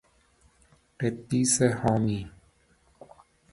قدیس حامی